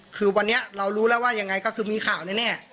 คือวันนี้เรารู้แล้วว่ายังไงก็คือมีข่าวแน่